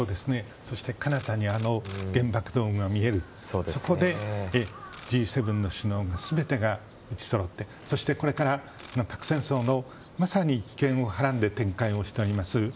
そして彼方に原爆ドームが見えるそこでＧ７の首脳の全てが集ってそして、これから核戦争のまさに危険をはらんで展開をしております